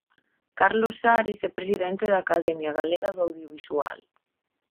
Carlos Ares, é presidente da Academia Galega do Audiovisual.